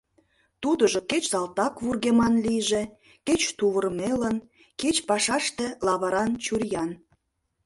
Тудыжо кеч салтак вургеман лийже, кеч тувырмелын, кеч пашаште лавыран чуриян.